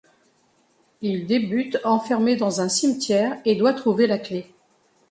Il débute enfermé dans un cimetière et doit trouver la clé.